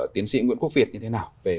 tiến sĩ nguyễn quốc việt như thế nào về